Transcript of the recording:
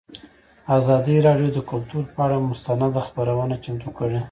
ازادي راډیو د کلتور پر اړه مستند خپرونه چمتو کړې.